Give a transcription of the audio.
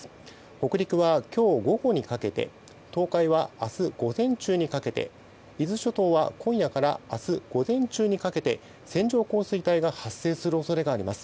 北陸は今日午後にかけて東海は明日午前中にかけて伊豆諸島は今夜から明日午前中にかけて線状降水帯が発生する恐れがあります。